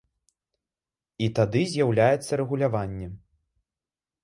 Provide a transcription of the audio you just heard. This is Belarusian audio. І тады з'яўляецца рэгуляванне.